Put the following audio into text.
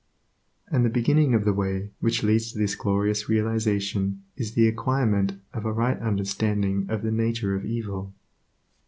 And the beginning of the way which leads to this glorious realization is the acquirement of a right understanding of the nature of evil.